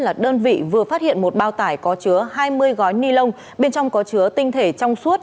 là đơn vị vừa phát hiện một bao tải có chứa hai mươi gói ni lông bên trong có chứa tinh thể trong suốt